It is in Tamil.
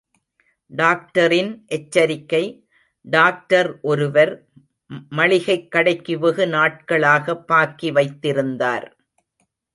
டாக்டரின் எச்சரிக்கை டாக்டர் ஒருவர், மளிகைக் கடைக்கு வெகு நாட்களாக பாக்கி வைத்திருந்தார்.